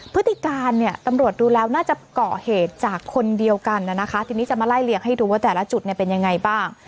พฤติการเนี่ยตำรวจดูแล้วน่าจะเกาะเหตุจากคนเดียวกันนะคะทีนี้จะมาไล่เลี่ยงให้ดูว่าแต่ละจุดเนี่ยเป็นยังไงบ้าง